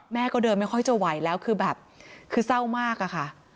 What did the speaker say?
แม่ก็เดินไม่ค่อยจะไหวแล้วคือแบบคือเศร้ามากอะค่ะ